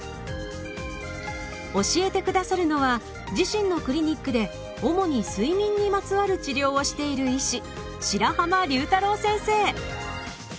教えて下さるのは自身のクリニックで主に睡眠にまつわる治療をしている医師